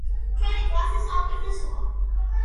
ჩვენი კლასი საუკეთესოა